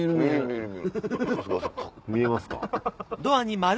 見えますか？